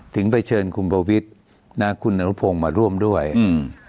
ถึงไปเชิญคุณประวิทย์นะคุณอนุพงศ์มาร่วมด้วยอืม